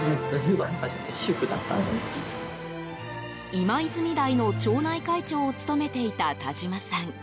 今泉台の町内会長を務めていた田島さん。